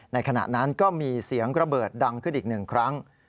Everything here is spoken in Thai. ขณะนั้นก็มีเสียงระเบิดดังขึ้นอีกหนึ่งครั้ง